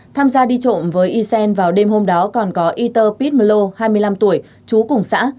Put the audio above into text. tham gia đi trộm với ysen vào đêm hôm đó còn có yter pit mlo hai mươi năm tuổi trú cùng xã